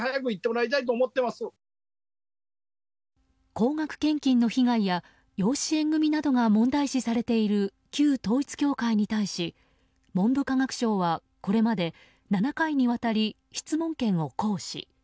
高額献金の被害や養子縁組などが問題視されている旧統一教会に対し、文部科学省はこれまで７回にわたり質問権を行使。